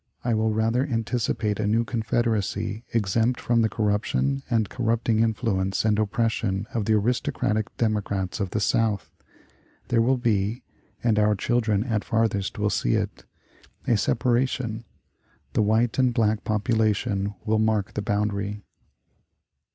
I will rather anticipate a new confederacy, exempt from the corrupt and corrupting influence and oppression of the aristocratic democrats of the South. There will be (and our children, at farthest, will see it) a separation. The white and black population will mark the boundary."